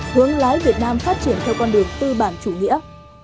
hướng lái việt nam phát triển theo con đường tư bản chủ nghĩa